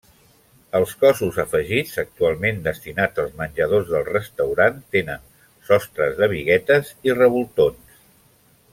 Els cossos afegits, actualment destinats als menjadors del restaurant, tenen sostres de biguetes i revoltons.